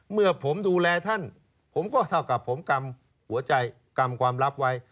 เมื่อผมดูแลท่านผมก็เท่ากับผมกำหัวใจกรรมความลับไว้